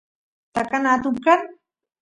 takana atun kan